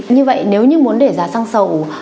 như vậy nếu như muốn để giá xăng dầu